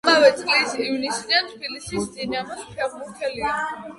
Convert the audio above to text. ამავე წლის ივნისიდან თბილისის „დინამოს“ ფეხბურთელია.